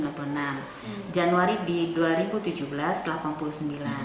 nah di januari dua ribu delapan belas itu empat puluh sembilan kasus